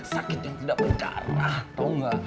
sakit yang tidak berjarah tau gak